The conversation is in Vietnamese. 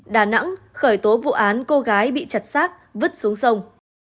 đà nẵng khởi tố vụ án cô gái bị chặt sát vứt xuống sông